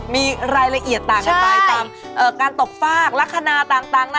มีรายละเอียดต่างกันไปตามการตกฟากลักษณะต่างนะ